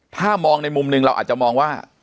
ถ้ามองในมุมหนึ่งเราอาจจะมองว่า